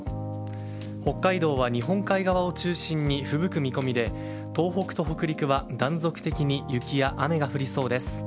北海道は日本海側を中心にふぶく見込みで東北と北陸は断続的に雪や雨が降りそうです。